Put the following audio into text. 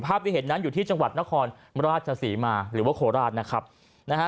ที่เห็นนั้นอยู่ที่จังหวัดนครราชศรีมาหรือว่าโคราชนะครับนะฮะ